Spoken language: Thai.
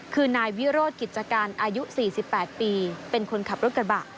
คือนายวิโรธกิจการอายุ๔๘ปีเป็นคนขับรถกระบะ